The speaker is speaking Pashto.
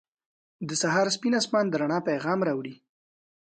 • د سهار سپین آسمان د رڼا پیغام راوړي.